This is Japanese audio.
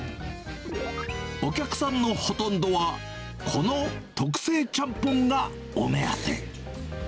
お客さんのほとんどは、この特製ちゃんぽんがお目当て。